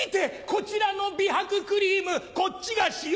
こちらの美白クリームこっちが使用